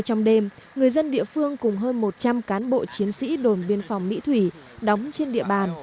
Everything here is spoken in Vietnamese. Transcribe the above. trong đêm người dân địa phương cùng hơn một trăm linh cán bộ chiến sĩ đồn biên phòng mỹ thủy đóng trên địa bàn